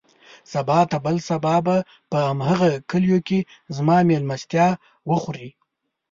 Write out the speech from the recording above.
سبا نه، بل سبا به په هماغه کليو کې زما مېلمستيا وخورې.